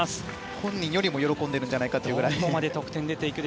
本人より喜んでいるんじゃないかというぐらい。